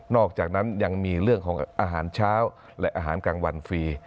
อกจากนั้นยังมีเรื่องของอาหารเช้าและอาหารกลางวันฟรี